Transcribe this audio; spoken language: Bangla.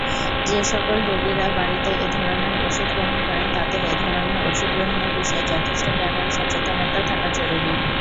যেসকল রোগীরা বাড়িতে এ ধরনের ওষুধ গ্রহণ করেন তাদের এ ধরনের ওষুধ গ্রহণের বিষয়ে যথেষ্ট জ্ঞান ও সচেতনতা থাকা জরুরী।